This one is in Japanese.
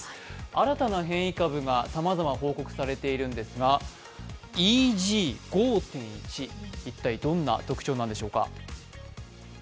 新たな変異株がさまざま報告されているんですがＥＧ５．１、一体どんな特徴なんでしょうか？